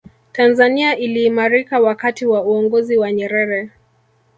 tanzania iliimarika wakati wa uongozi wa nyerere